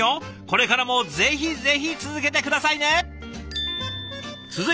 これからもぜひぜひ続けて下さいね！